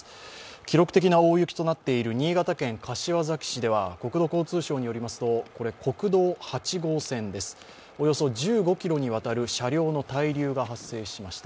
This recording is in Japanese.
記録的な大雪となっている新潟県柏崎市では国土交通省によりますと、国道８号線です、およそ１５ｋｍにわたる車両の滞留が発生しました。